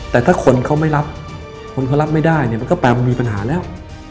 แต่ถ้าคนเขาไม่รับคนเขารับไม่ได้เนี่ยมันก็แปลว่ามีปัญหาแล้ว